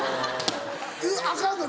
アカンの？